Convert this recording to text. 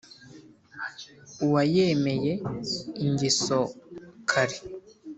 uwayemeye ingeso kare